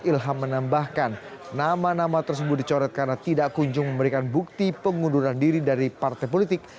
ilham menambahkan nama nama tersebut dicoret karena tidak kunjung memberikan bukti pengunduran diri dari partai politik